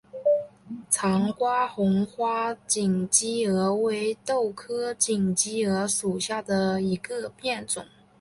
长爪红花锦鸡儿为豆科锦鸡儿属下的一个变种。